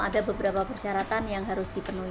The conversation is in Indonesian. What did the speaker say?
ada beberapa persyaratan yang harus dipenuhi